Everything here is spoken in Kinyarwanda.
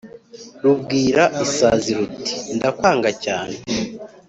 rubwira isazi ruti «ndakwanga cyane